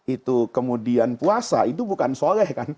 itu kemudian puasa itu bukan soleh kan